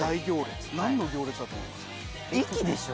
駅でしょ？